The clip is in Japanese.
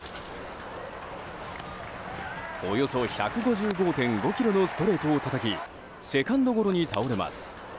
およそ１５５．５キロのストレートをたたきセカンドゴロに倒れます。